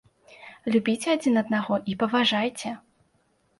Любіце адзін аднаго і паважайце!